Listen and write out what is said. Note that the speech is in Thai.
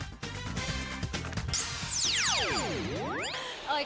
โย๊ยยย